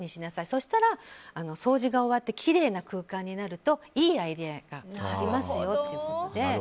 そしたら掃除が終わってきれいな空間になるといいアイデアが生まれますよということで。